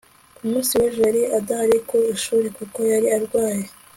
ku munsi w'ejo yari adahari ku ishuri kuko yari arwaye